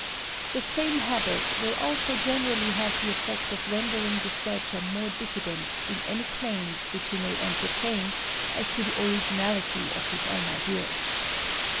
The same habit will also generally have the effect of rendering the searcher more diffident in any claims which he may entertain as to the originality of his own ideas.